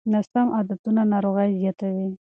ناسم عادتونه ناروغۍ زیاتوي.